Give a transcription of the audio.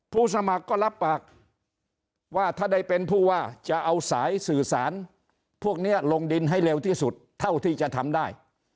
ผู้สมัครก็รับปากว่าถ้าได้เป็นผู้ว่าจะเอาสายสื่อสารพวกนี้ลงดินให้เร็วที่สุดเท่าที่จะทำได้